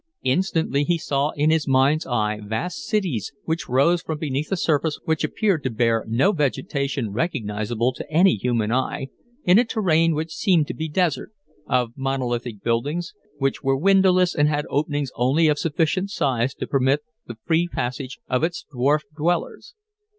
Instantly he saw in his mind's eye vast cities, which rose from beneath a surface which appeared to bear no vegetation recognizable to any human eye, in a terrain which seemed to be desert, of monolithic buildings, which were windowless and had openings only of sufficient size to permit the free passage of its dwarfed dwellers.